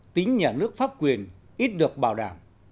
tính nhà nước pháp quyền ít được bảo đảm